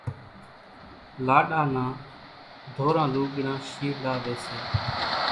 لاڏا نان ڌوران لوُڳڙان شيوڙاويَ سي۔